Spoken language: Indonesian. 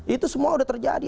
itu semua sudah terjadi